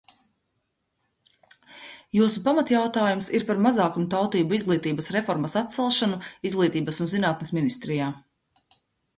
Jūsu pamatjautājums ir par mazākumtautību izglītības reformas atcelšanu Izglītības un zinātnes ministrijā.